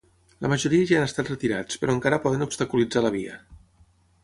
La majoria ja han estat retirats però encara poden obstaculitzar la via.